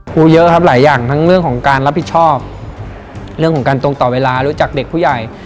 เยอะครับหลายอย่างทั้งเรื่องของการรับผิดชอบเรื่องของการตรงต่อเวลารู้จักเด็กผู้ใหญ่